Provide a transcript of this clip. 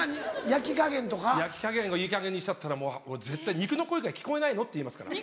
焼き加減いいかげんにしちゃったらもう俺絶対「肉の声が聞こえないの？」って言いますから。